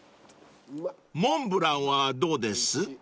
［モンブランはどうです？］